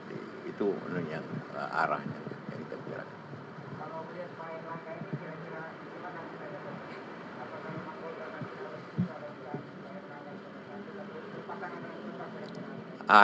itu menurutnya arahnya yang kita perbicarakan